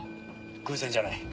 偶然じゃない。